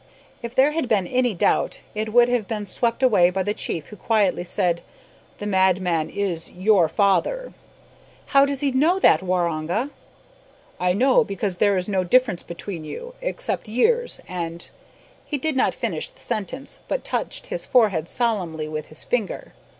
If there had been any doubt, it would have been swept away by the chief, who quietly said, "the madman is your father!" "How does he know that Waroonga?" "I know, because there is no difference between you, except years and " He did not finish the sentence, but touched his forehead solemnly with his finger.